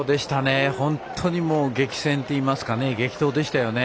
本当に激戦といいますか激闘でしたよね。